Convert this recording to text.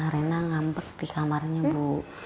rena ngambek di kamarnya bu